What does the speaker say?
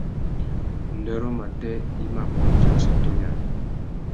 Undêrô matê i mà bôndia assôtô yâā.